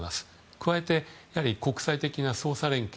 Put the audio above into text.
加えて、国際的な捜査連携。